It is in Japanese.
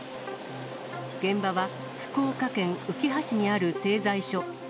現場は福岡県うきは市にある製材所。